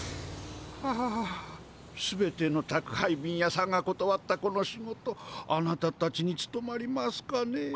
あ全ての宅配便屋さんがことわったこの仕事あなたたちにつとまりますかねえ。